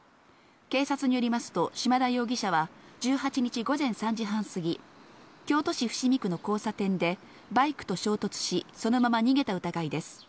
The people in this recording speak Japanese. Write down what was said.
警察によりますと嶋田容疑者は１８日午前３時半過ぎ、京都市伏見区の交差点でバイクと衝突し、そのまま逃げた疑いです。